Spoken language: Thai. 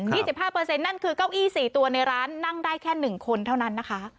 สิบห้าเปอร์เซ็นนั่นคือเก้าอี้สี่ตัวในร้านนั่งได้แค่หนึ่งคนเท่านั้นนะคะ